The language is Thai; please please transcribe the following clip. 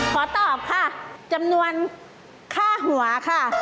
ขอตอบค่ะจำนวนค่าหัวค่ะ